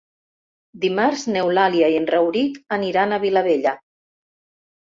Dimarts n'Eulàlia i en Rauric aniran a Vilabella.